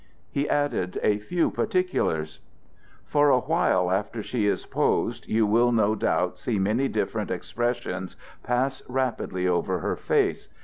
He added a few particulars: "For a while after she is posed you will no doubt see many different expressions pass rapidly over her face.